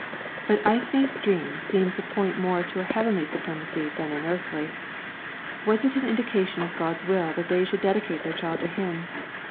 But Eithne's dream seemed to point more to a heavenly supremacy than an earthly; was it an indication of God's will that they should dedicate their child to Him?